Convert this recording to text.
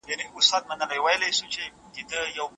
ایا ته غواړې چي په اخیرت کي د شکر ثمره وګورې؟